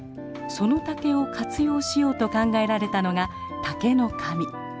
その竹を活用しようと考えられたのが「竹の紙」。